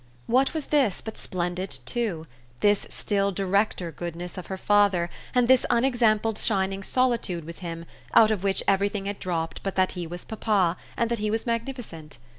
What was this but splendid too this still directer goodness of her father and this unexampled shining solitude with him, out of which everything had dropped but that he was papa and that he was magnificent?